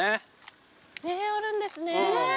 あるんですね。